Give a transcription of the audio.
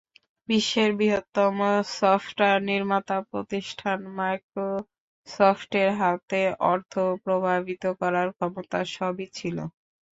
বিশ্বের বৃহত্তম সফটওয়্যার নির্মাতা প্রতিষ্ঠান মাইক্রোসফটের হাতে অর্থ, প্রভাবিত করার ক্ষমতা সবই ছিল।